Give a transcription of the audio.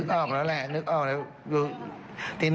เขาไปเข้าบัญชาการประหลาดอยู่ตรงวาดนี้เลย